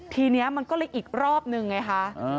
ทีนี้มันก็เลยอีกรอบนึงไงคะ